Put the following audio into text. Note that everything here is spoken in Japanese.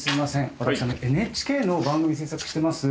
私ＮＨＫの番組制作してます